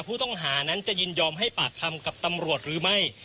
ผู้ต้องหานั้นจะยินยอมให้ปากคำกับตำรวจหรือไม่